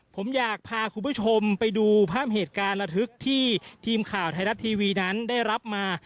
ผมอยากพาคุณผู้ชมไปดูภาพเหตุการณ์ระทึกที่ทีมข่าวไทยรัฐทีวีนั้นได้รับมา